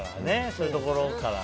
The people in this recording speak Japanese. そういうところから。